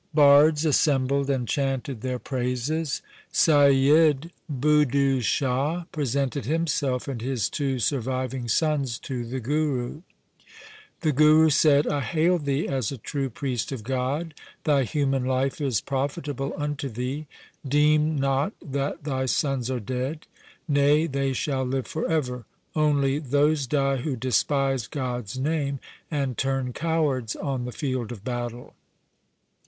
Bards assembled and chanted their praises. Saiyid Budhu Shah presented himself and his two surviving sons to the Guru. The Guru said, ' I hail thee as a true priest of God. Thy human life is profitable unto thee. Deem not that thy sons are dead. Nay, they shall live for ever. Only those die who despise God's name and turn cowards on the field of battle.'